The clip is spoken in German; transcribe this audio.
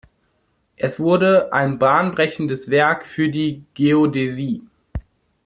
Es wurde ein bahnbrechendes Werk für die Geodäsie.